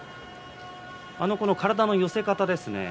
体の寄せ方ですね。